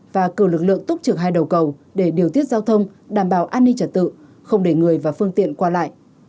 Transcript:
và cử lực lượng túc trực hai đầu cầu để điều tiết giao thông đảm bảo an ninh trật tự không để người và phương tiện qua lại